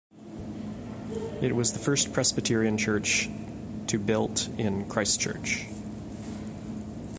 It was the first Presbyterian church to built in Christchurch.